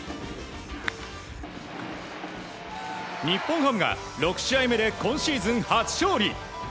日本ハムが６試合目で今シーズン初勝利。